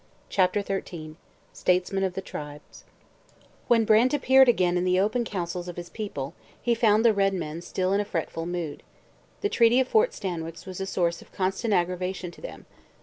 CHAPTER XIII STATESMAN OF THE TRIBES When Brant appeared again in the open councils of his people, he found the red men still in a fretful mood. The Treaty of Fort Stanwix was a source of constant aggravation to them.